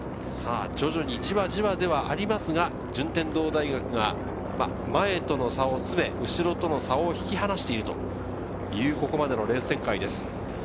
徐々にじわじわではありますが、順天堂大学が前との差を詰め、後ろとの差を引き離しているというここまでのレース展開です。